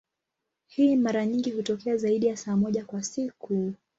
Hii mara nyingi hutokea zaidi ya saa moja kwa siku.